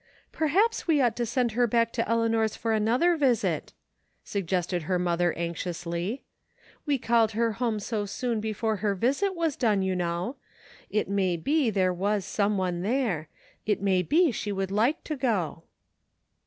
" Perhaps we ought to send her back to Eleanor^s for another visit," suggested her mother anxiously. " We called her home so soon before her visit was done you know. It may be there was someone there. It may be she would like to go."